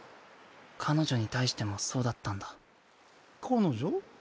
彼女に対してもそうだったんだ彼女？